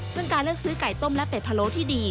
ซึ่งการเลือกซื้อไก่ต้มและเป็ดพะโล้ที่ดี